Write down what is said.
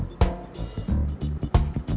jadi makanya bukan gini ya